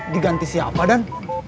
diganti siapa dan